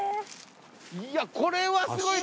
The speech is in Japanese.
いやこれはすごい。